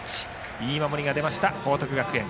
いい守りが出ました、報徳学園。